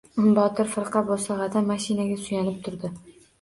Botir firqa bo‘sag‘ada mashinaga suyanib turdi.